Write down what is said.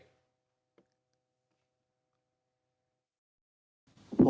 เกิดเหตุ